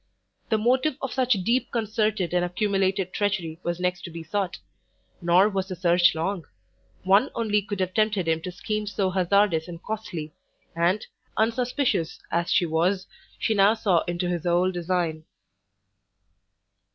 The motive of such deep concerted and accumulated treachery was next to be sought: nor was the search long; one only could have tempted him to schemes so hazardous and costly; and, unsuspicious as she was, she now saw into his whole design.